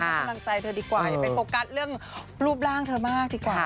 กำลังใจเธอดีกว่าอย่าไปโฟกัสเรื่องรูปร่างเธอมากดีกว่า